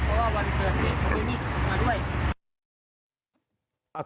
เพราะว่าวันเกิดเวทย์ของพี่มิคมาด้วย